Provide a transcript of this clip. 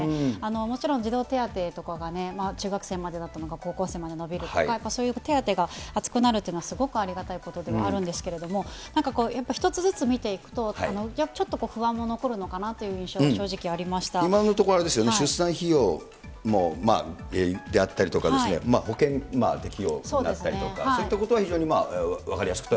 もちろん児童手当とかが中学生まであったのが、高校生まで伸びるとか、そういう手当が厚くなるっていうのはすごくありがたいことでもあるんですけど、なんかこう、やっぱり一つずつ見ていくと、ちょっと不安も残るのかなという今のところあれですよね、出産費用であったりとか、保険適用だったりとか、そういったことは非常に分かりやすくて。